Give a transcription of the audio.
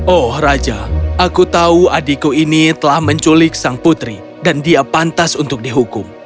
oh raja aku tahu adikku ini telah menculik sang putri dan dia pantas untuk dihukum